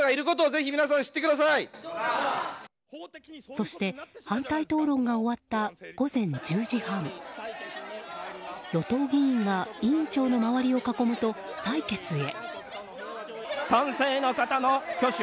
そして、反対討論が終わった午前１０時半与党議員が委員長の周りを囲むと採決へ。